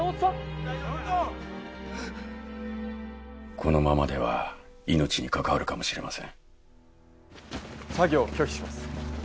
このままでは命に関わるかもしれません作業を拒否します